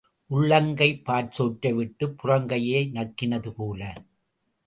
உள்ளங்கைப் பாற்சோற்றை விட்டுப் புறங்கையை நக்கினது போல.